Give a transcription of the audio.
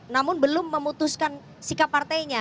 namun belum memutuskan sikap partainya